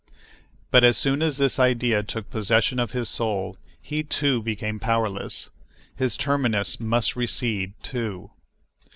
But as soon as this idea took possession of his soul, he, too, becomes powerless. His Terminus must recede, too.